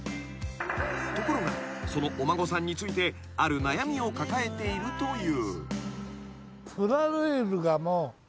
［ところがそのお孫さんについてある悩みを抱えているという］